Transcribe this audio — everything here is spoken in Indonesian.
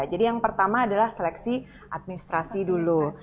yang pertama adalah seleksi administrasi dulu